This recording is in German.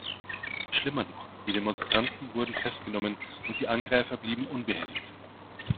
Schlimmer noch, die Demonstranten wurden festgenommen, und die Angreifer blieben unbehelligt.